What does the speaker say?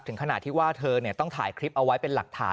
ถึงขนาดที่ว่าเธอต้องถ่ายคลิปเอาไว้เป็นหลักฐาน